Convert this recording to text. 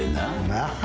なあ。